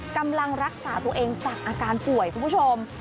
กำลังรักษาตัวเองจากอาการป่วยคุณผู้ชม